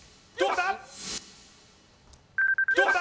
どうだ？